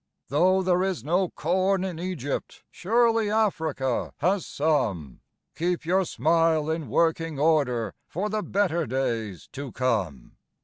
Though there is no corn in Egypt, surely Africa has some Keep your smile in working order for the better days to come